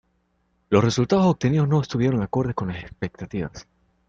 Los resultados obtenidos no estuvieron acordes con las expectativas.